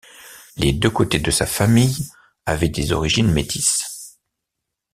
Les deux côtés de sa famille avait des origines métisses.